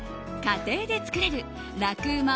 家庭で作れる楽ウマ！